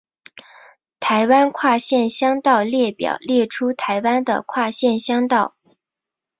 台湾跨县乡道列表列出台湾的跨县乡道。